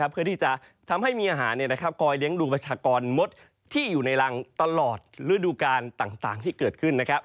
เพื่อที่จะทำให้มีอาหารคอยเลี้ยงดูประชากรมดที่อยู่ในรังตลอดฤดูการต่างที่เกิดขึ้น